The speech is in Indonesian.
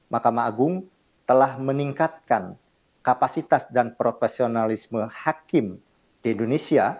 mahkamah agung telah meningkatkan kapasitas dan profesionalisme hakim di indonesia